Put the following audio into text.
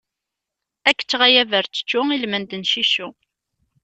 Ar k-ččeɣ a yaberčečču ilmend n ciccu!